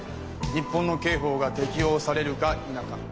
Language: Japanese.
日本の刑法が適用されるか否か？